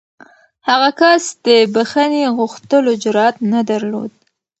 هغه کس د بښنې غوښتلو جرات نه درلود.